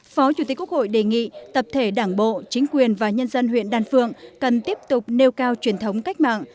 phó chủ tịch quốc hội đề nghị tập thể đảng bộ chính quyền và nhân dân huyện đan phượng cần tiếp tục nêu cao truyền thống cách mạng